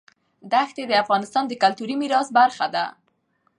دښتې د افغانستان د کلتوري میراث برخه ده.